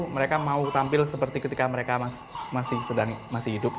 mereka mau tampil seperti ketika mereka masih hidup